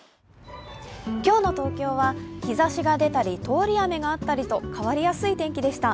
今日の東京は日ざしが出たり通り雨があったりと変わりやすい天気でした。